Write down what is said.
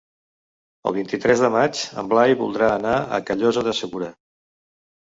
El vint-i-tres de maig en Blai voldria anar a Callosa de Segura.